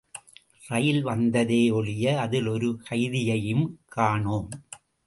ரயில் வந்ததே யொழிய அதில் ஒரு கைதியையும் காணோம்!